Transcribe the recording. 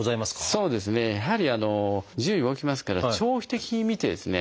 そうですねやはり自由に動きますから長期的に見てですね